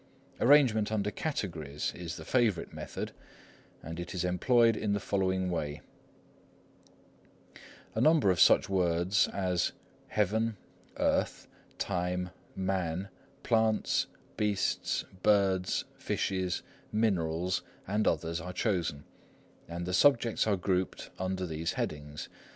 Arrangement under Categories is the favourite method, and it is employed in the following way:— A number of such words as Heaven, Earth, Time, Man, Plants, Beasts, Birds, Fishes, Minerals, and others are chosen, and the subjects are grouped under these headings.